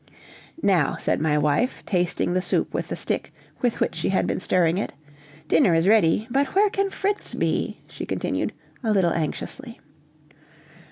"Now," said my wife, tasting the soup with the stick with which she had been stirring it, "dinner is ready, but where can Fritz be?" she continued, a little anxiously.